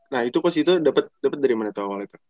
nah itu coach ito dapat dari mana tuh awalnya